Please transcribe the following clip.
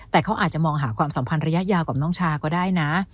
แต่เขาอาจจะมองหาความสัมพันธ์ระยะยาวกับน้องชาก็ได้นะ